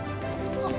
あっ。